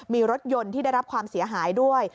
มีรถยนต์ที่ได้รับความเสียหายด้วย